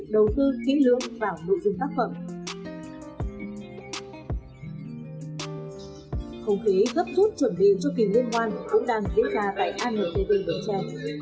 đầu tư kỹ lưỡng vào nội dung tác phẩm không khí gấp rút chuẩn bị cho kỳ liên hoan cũng đang diễn ra tại antv